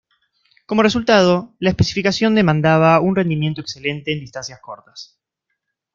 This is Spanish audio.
Como resultado, la especificación demandaba un rendimiento excelente en distancias cortas.